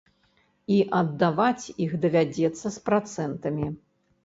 І аддаваць іх давядзецца з працэнтамі.